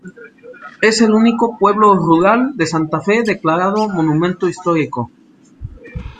Es el único pueblo rural de Santa Fe declarado Monumento Histórico.